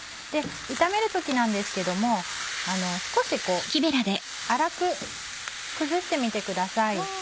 炒める時なんですけども少しこう粗く崩してみてください。